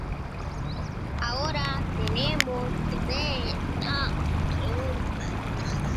Puede usarse manteca, grasa de cerdo o mantequilla.